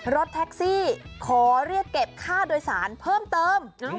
รถแท็กซี่ขอเรียกเก็บค่าโดยสารเพิ่มเติม